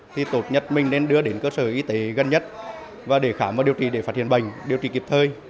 thì tốt nhất mình nên đưa đến cơ sở y tế gần nhất và để khám và điều trị để phát hiện bệnh điều trị kịp thời